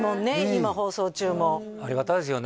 今放送中もありがたいですよね